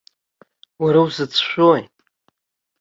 Уара узыцәшәои?